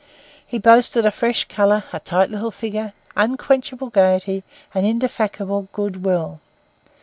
He boasted a fresh colour, a tight little figure, unquenchable gaiety, and indefatigable goodwill.